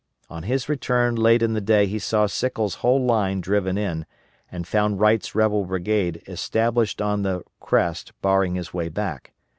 On his return late in the day he saw Sickles' whole line driven in and found Wright's rebel brigade established on the crest barring his way back.